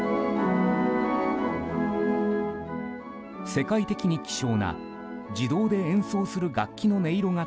世界的に希少な自動で演奏する楽器の音色が